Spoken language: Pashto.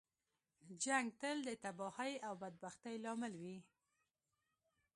جنګ تل د تباهۍ او بدبختۍ لامل وي.